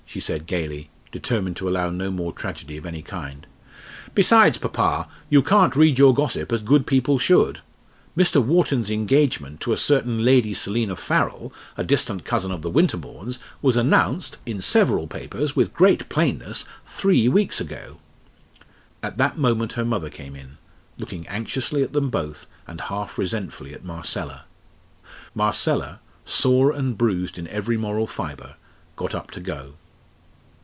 she said gaily, determined to allow no more tragedy of any kind. "Besides, papa, you can't read your gossip as good people should. Mr. Wharton's engagement to a certain Lady Selina Farrell a distant cousin of the Winterbournes was announced, in several papers with great plainness three weeks ago." At that moment her mother came in, looking anxiously at them both, and half resentfully at Marcella. Marcella, sore and bruised in every moral fibre, got up to go.